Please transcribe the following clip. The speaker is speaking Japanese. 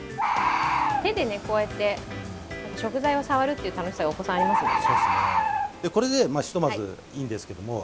手でこうやって食材を触るという楽しさがお子さん、ありますよね。